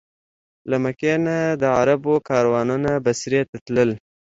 له مکې نه د عربو کاروانونه بصرې ته تلل.